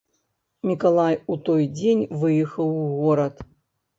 Мікалай у той дзень выехаў у горад.